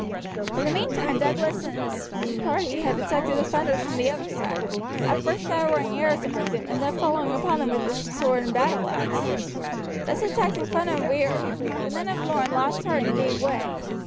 In the meantime Douglas and his party had attacked the defenders from the other side, at first showering arrows among them, and then falling upon them with sword and battleaxe. Thus attacked in front and rear, the men of Lorne lost heart and gave way.